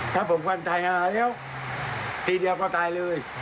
ถ้าผมฟันไทยหาแล้วตีเดียวก็ตายเลย